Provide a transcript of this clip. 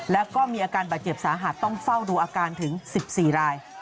แล้วก็มีอาการบาดเจ็บสาหัสต้องเฝ้าดูอาการถึง๑๔ราย